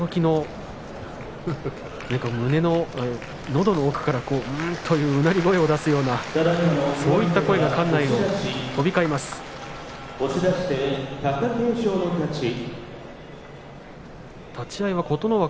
のどの奥からうん、とうなり声を出すようなそういう声が館内に飛び交っています。